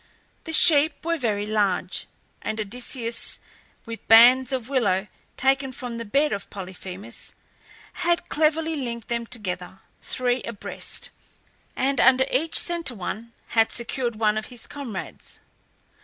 The sheep were very large, and Odysseus, with bands of willow taken from the bed of Polyphemus, had cleverly linked them together three abreast, and under each centre one had secured one of his comrades.